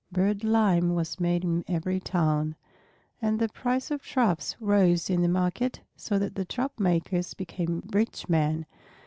Bird lime was made in every town, and the price of traps rose in the market so that the trap makers became rich men.